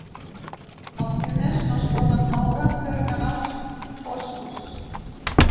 Els diners no es poden moure per canals foscos.